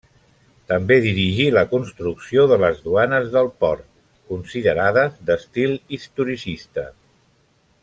També dirigí la construcció de les duanes del port, considerades d'estil historicista.